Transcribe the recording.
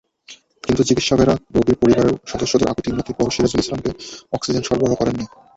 কিন্তু চিকিত্সকেরা রোগীর পরিবারের সদস্যদের আকুতিমিনতির পরও সিরাজুল ইসলামকে অক্সিজেন সরবরাহ করেননি।